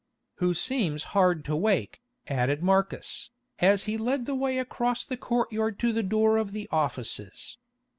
"Who seems hard to wake," added Marcus, as he led the way across the courtyard to the door of the offices.